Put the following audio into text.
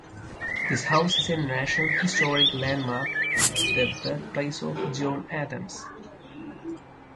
This house is a National Historic Landmark, the birthplace of John Adams.